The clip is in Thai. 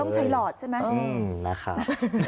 ต้องใช้หลอดใช่ไหมอืมนะครับ